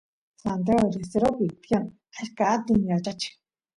Santiagu Del Esteropi tiyan achka atun yachacheq